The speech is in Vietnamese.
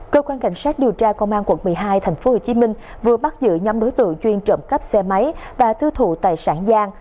cơ quan cảnh sát điều tra công an quận một mươi hai tp hcm vừa bắt giữ nhóm đối tượng chuyên trộm cắp xe máy và thư thụ tài sản giang